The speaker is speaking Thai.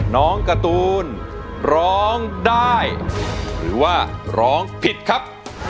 น้องการ์ตูนร้องได้หรือว่าร้องผิดครับ